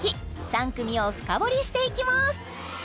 ３組を深掘りしていきます